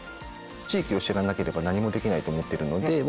地域を知らなければ何もできないと思ってるので